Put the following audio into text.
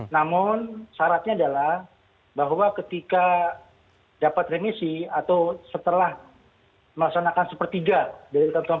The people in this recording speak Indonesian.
namun syaratnya adalah bahwa ketika dapat remisi atau setelah melaksanakan sepertiga dari ketentuan